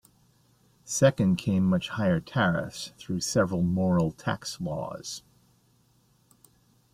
Second came much higher tariffs, through several Morrill tariff laws.